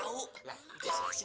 eh lah punya siapa ini